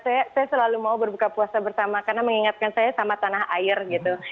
saya selalu mau berbuka puasa bersama karena mengingatkan saya sama tanah air gitu